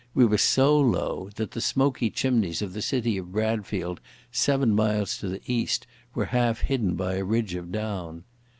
We were so low that the smoky chimneys of the city of Bradfield seven miles to the east were half hidden by a ridge of down.